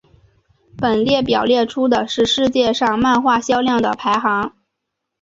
本列表列出的是历史上漫画销量的排行。